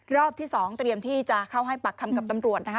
รอบที่๒เตรียมที่จะเข้าให้ปากคำกับตำรวจนะคะ